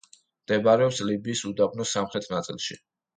მდებარეობს ლიბიის უდაბნოს სამხრეთ ნაწილში.